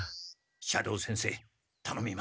斜堂先生たのみます。